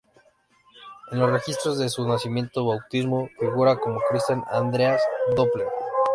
En los registros de su nacimiento y bautismo figura como Christian "Andreas" Doppler.